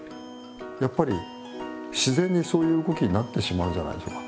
やっぱり自然にそういう動きになってしまうんじゃないでしょうか。